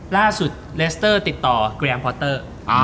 ล่าสุดเลสเตอร์ติดต่อแกรมพอเตอร์